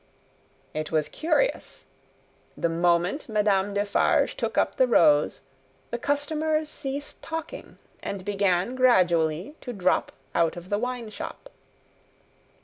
It was curious. The moment Madame Defarge took up the rose, the customers ceased talking, and began gradually to drop out of the wine shop.